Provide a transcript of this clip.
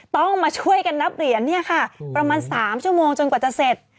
ต้องมาช่วยกันนับเหรียญเนี่ยค่ะประมาณ๓ชั่วโมงจนกว่าจะเสร็จ